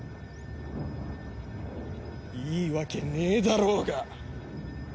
いいわけねえだろうが！